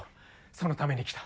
そのために来た。